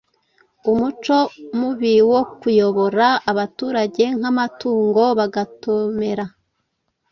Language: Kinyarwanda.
umuco mubi wo kuyobora abaturage nk'amatungo bagatomera